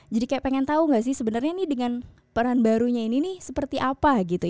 jadi kayak pengen tau gak sih sebenernya nih dengan peran barunya ini nih seperti apa